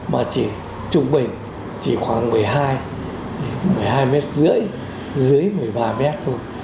mà chỉ trung bình khoảng một mươi hai một mươi ba mét thôi